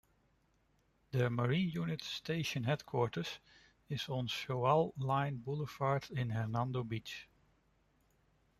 Their Marine Unit Station headquarters is on Shoal Line Boulevard in Hernando Beach.